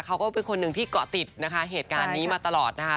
เขาก็เป็นคนหนึ่งที่เกาะติดนะคะเหตุการณ์นี้มาตลอดนะคะ